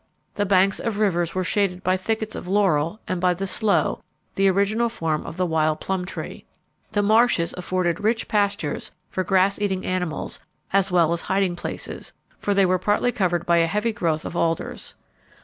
The banks of rivers were shaded by thickets of laurel and by the sloe, the original form of the wild plum tree. The marshes afforded rich pastures for grass eating animals as well as hiding places, for they were partly covered by a heavy growth of alders.